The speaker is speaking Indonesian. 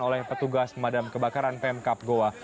oleh petugas pemadam kebakaran pemkap goa